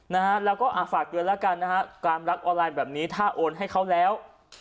นะฮะแล้วก็อ่ะฝากเตือนแล้วกันนะฮะการรักออนไลน์แบบนี้ถ้าโอนให้เขาแล้ว